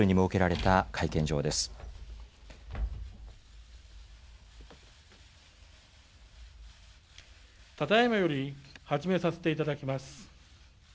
ただ今より、始めさせていただきます。